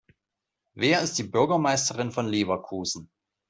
Wer ist die Bürgermeisterin von Leverkusen?